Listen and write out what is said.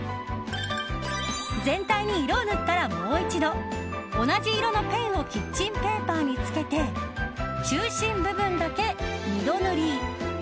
全体に色を塗ったらもう一度、同じ色のペンをキッチンペーパーにつけて中心部分だけ二度塗り。